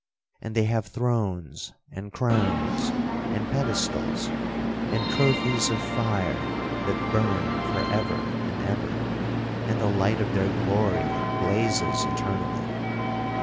—and they have thrones, and crowns, and pedestals, and trophies of fire, that burn for ever and ever, and the light of their glory blazes eternally.